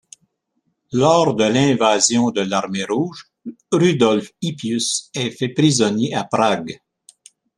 Lors de l'Invasion de l'Armée rouge, Rudolf Hippius est fait prisonnier à Prague.